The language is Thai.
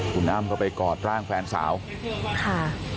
คุณอ้ามเขาไปกอดร่างแฟนสาวค่ะ